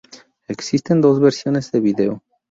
Existen dos versiones de vídeo.